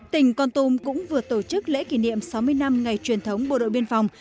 tỉnh con tum cũng vừa tổ chức lễ kỷ niệm sáu mươi năm ngày truyền thống bộ đội biên phòng